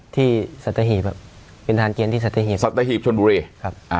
สัตหีบเป็นทานเกณฑ์ที่สัตหีบสัตหีบชนบุรีครับ